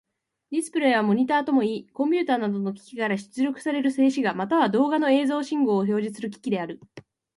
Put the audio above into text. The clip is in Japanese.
ディスプレイはモニタともいい、コンピュータなどの機器から出力される静止画、または動画の映像信号を表示する機器である。